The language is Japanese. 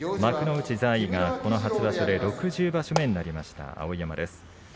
幕内在位がこの初場所で６０場所目になりました碧山です。